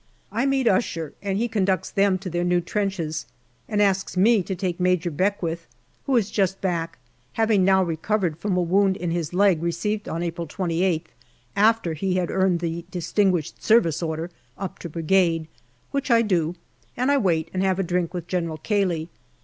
I meet Usher, and he conducts them to their new trenches, and asks me to take Major Beckwith, who is just back, having now recovered from a wound in his leg, received on April 28th, after he had earned the D.S.O., up to Brigade ; which I do, and I wait and have a drink with General Cayley.